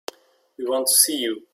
We want to see you.